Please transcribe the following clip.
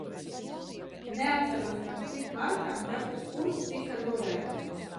Neatceros, par cik markām katrs pūrs tika novērtēts.